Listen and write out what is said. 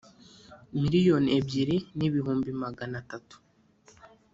miliyoni ebyiri n ibihumbi magana atatu